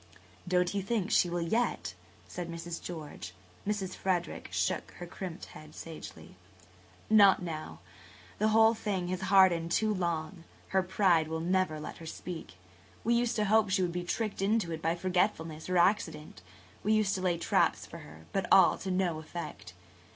"Don't you think she will yet?" said Mrs. George. Mrs. Frederick shook her crimped head sagely. "Not now. The whole thing has hardened too long. Her pride will never let her speak. We used to hope she would be tricked into it by forgetfulness or accident–we used to lay traps for her–but all to no effect.